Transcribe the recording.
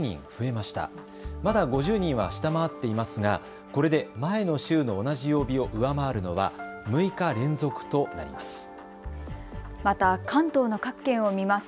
まだ５０人は下回っていますがこれで前の週の同じ曜日を上回るのは６日連続となります。